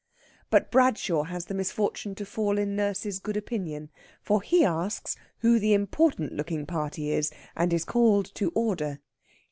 But Bradshaw has the misfortune to fall in Nurse's good opinion. For he asks who the important looking party is, and is called to order.